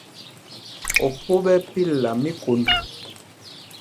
Opo ɓɛ́ ɛ́ pilla míkond.